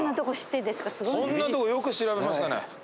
こんなとこよく調べましたね。